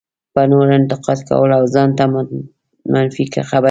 په نورو انتقاد کول او ځان ته منفي خبرې کول.